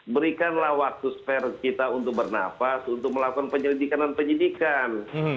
berikanlah waktu spare kita untuk bernafas untuk melakukan penyelidikan dan penyidikan